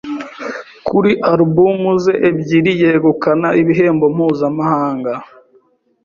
kuri’ alubumu ze ebyiri yegukana ibihembo mpuzamahanga